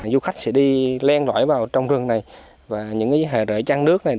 du khách sẽ đi len loại vào trong rừng này và những hệ rễ trăn nước này